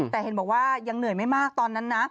แต่เห็นบอกว่ายังเหนื่อยไม่มากตอนนั้นนะ